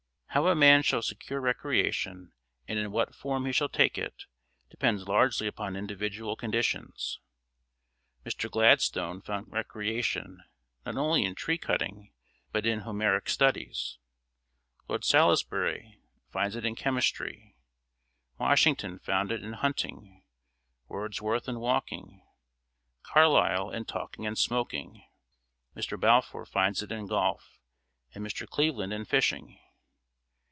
How a man shall secure recreation and in what form he shall take it depends largely upon individual conditions. Mr. Gladstone found recreation not only in tree cutting but in Homeric studies; Lord Salisbury finds it in chemistry; Washington found it in hunting; Wordsworth in walking; Carlyle in talking and smoking; Mr. Balfour finds it in golf, and Mr. Cleveland in fishing.